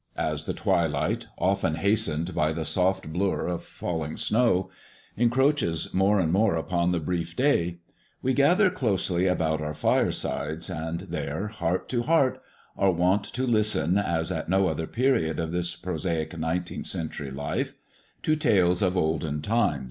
As the twilight, often hastened by the soft blur of falling snow, encroaches more and more upon the brief day, we gather closely about our firesides, and there, heart to heart, are wont to listen as at no other period of this prosaic nineteenth century life, to tales of olden time.